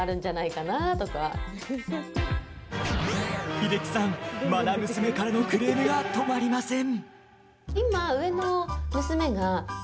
英樹さん、まな娘からのクレームが止まりません。